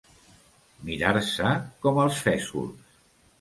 Mirar-se com els fesols.